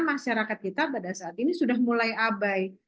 masyarakat kita pada saat ini sudah mulai abai